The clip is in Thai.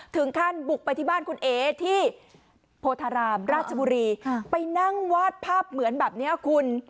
ถึงขั้นบุกไปที่บ้านคุณเอที่โพธารามราชบุรีไปนั่งวาดภาพเหมือนแบบเนี้ยคุณ